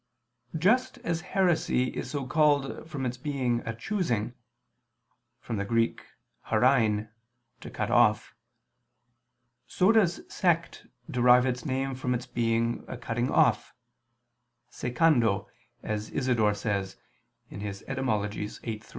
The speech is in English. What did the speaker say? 3: Just as heresy is so called from its being a choosing [*From the Greek hairein, to cut off], so does sect derive its name from its being a cutting off (secando), as Isidore states (Etym. viii, 3).